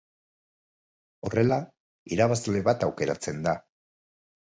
Horrela, irabazle bat aukeratzen da.